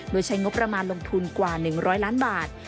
โดยใช้งบประมาณลงทุนกว่า๑๐๐ล้านบาท